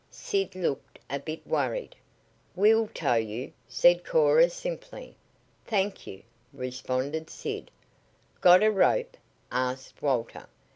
Sid looked a bit worried. "We'll tow you," said Cora simply. "Thank you," responded Sid. "Got a rope?" asked Walter.